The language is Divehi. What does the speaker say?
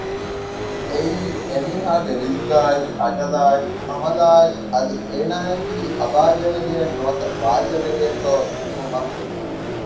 އެއީ އެ މީހާގެ ރިޒުގާއި އަޖަލާއި ޢަމަލާއި އަދި އޭނާއަކީ އަބާއްޖަވެރިއެއް ނުވަތަ ބާއްޖަވެރިއެއްތޯ ލިޔުއްވުމަށް